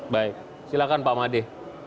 baik silakan pak made